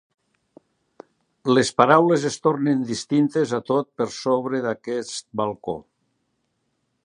Les paraules es tornen distintes a tot per sobre d'aquest balcó.